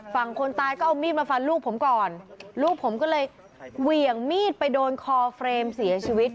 คนตายก็เอามีดมาฟันลูกผมก่อนลูกผมก็เลยเหวี่ยงมีดไปโดนคอเฟรมเสียชีวิต